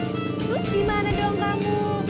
terus gimana dong kamu